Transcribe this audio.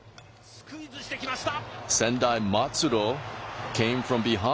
スクイズしてきました。